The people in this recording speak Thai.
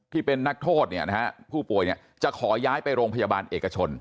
ที่เป็นนักโทษผู้ป่วยจะขอย้ายไปโรงพยาบาลเอกชน